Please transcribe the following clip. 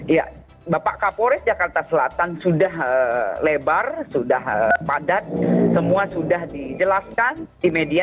iya bapak kapolres jakarta selatan sudah lebar sudah padat semua sudah dijelaskan di media